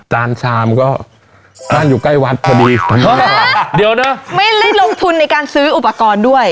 จานชามก็บ้านอยู่ใกล้วัดพอดีเดี๋ยวนะไม่ได้ลงทุนในการซื้ออุปกรณ์ด้วย